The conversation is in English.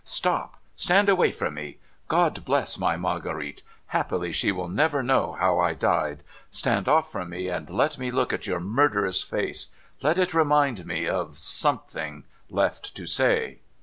' Stop ! Stand away from me ! Ciod bless my Marguerite ! Happily she will never know how I died. Stand oft" from me, and let me look at your murderous face. Let it remind me — of something — left to say.'